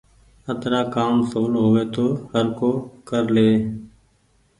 اترآ ڪآم سولو هووي تو هر ڪو ڪر ليوي۔